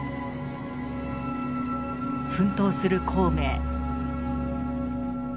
奮闘する孔明。